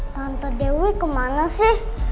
tante dewi kemana sih